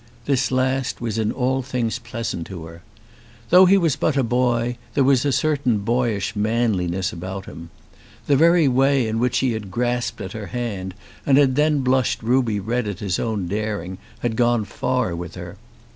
This last was in all things pleasant to her. Though he was but a boy, there was a certain boyish manliness about him. The very way in which he had grasped at her hand and had then blushed ruby red at his own daring, had gone far with her.